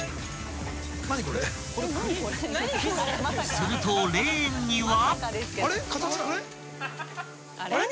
［するとレーンには］